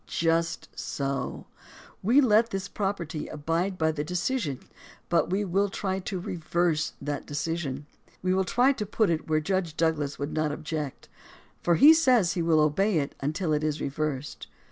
Just so ! We let this property abide by the decision, but we will try to reverse that decision. We will try to put it where Judge Douglas would not object, for he says he will obey it until it is reversed.